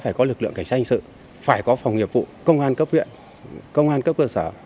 phải có lực lượng cảnh sát hành sự phải có phòng nghiệp vụ công an cấp huyện công an cấp cơ sở